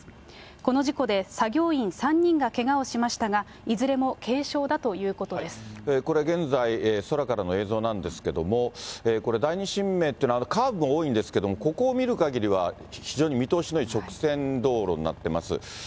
この事故で、作業員３人がけがをしましたが、いずれも軽傷だといこれ、現在、空からの映像なんですけれども、これ、第二神明というのは、カーブも多いんですけど、ここを見るかぎりは、非常に見通しのいい直線道路になっています。